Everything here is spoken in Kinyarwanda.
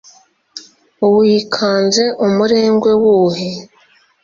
wikanze umurengwe wuhe